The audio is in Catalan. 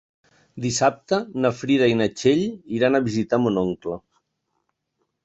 Dissabte na Frida i na Txell iran a visitar mon oncle.